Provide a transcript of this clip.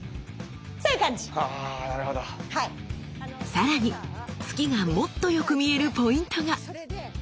さらに突きがもっと良く見えるポイントが。